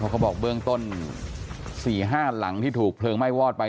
เขาบอกเบื้องต้น๔๕หลังที่ถูกเพลิงไหม้วอดไป